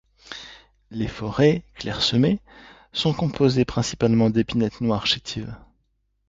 Les forêts, clairsemées, sont composées principalement d'épinettes noires chétives.